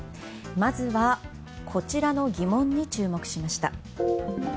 まずは、こちらの疑問に注目しました。